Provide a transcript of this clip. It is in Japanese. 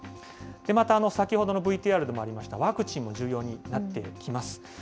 また先ほどのＶＴＲでもありましたワクチンも重要になってきます。